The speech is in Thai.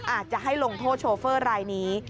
อาจจะให้ลงโทษโชเฟอร์รายนี้